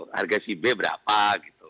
harga si b berapa gitu